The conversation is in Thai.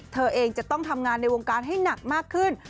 เธอเองจะต้องทำงานในวงการให้หนักมากขึ้น